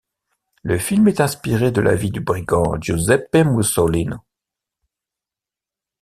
Le film est inspiré de la vie du brigand Giuseppe Musolino.